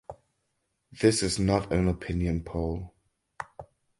This is not an opinion poll.